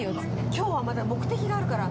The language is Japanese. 今日はまた目的があるから。